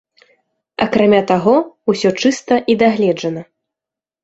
Акрамя таго, усё чыста і дагледжана.